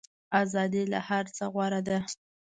ازادي له هر څه غوره ده.